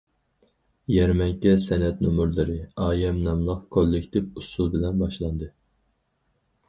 يەرمەنكە سەنئەت نومۇرلىرى« ئايەم» ناملىق كوللېكتىپ ئۇسسۇل بىلەن باشلاندى.